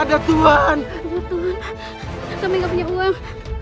tidak tuhan kami tidak punya uang